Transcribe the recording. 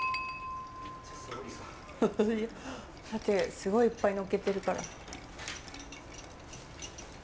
すごいいっぱいのっけてるから。